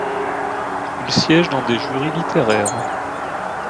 Il siège dans des jurys littéraires.